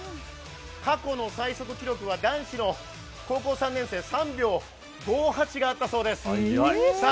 過去の最速記録は男子の高校３年生３秒５８があったそうです。